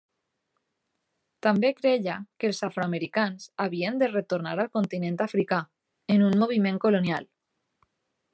També creia que els afroamericans havien de retornar al continent africà, en un moviment colonial.